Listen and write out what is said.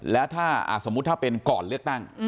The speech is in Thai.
แล้วถ้าสมมุติถ้าเป็นก่อนเลือกตั้ง